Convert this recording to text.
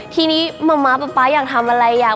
ทีนี้มะม้าป๊าป๊าอยากทำอะไรอยาก